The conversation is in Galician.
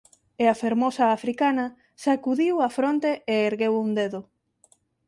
E a fermosa africana sacudiu a fronte e ergueu un dedo.